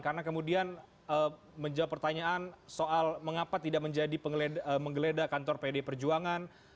karena kemudian menjawab pertanyaan soal mengapa tidak menjadi menggeledah kantor pdi perjuangan